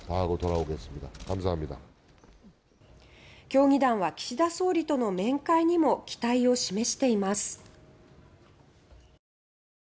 協議団は岸田総理との面会にも期待を示しています。